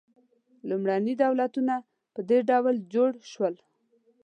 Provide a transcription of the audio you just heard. لومړني دولتونه په دې ډول جوړ شول.